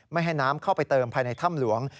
ไม่ให้น้ำเข้าไปเติมภายในถ้ำหลวง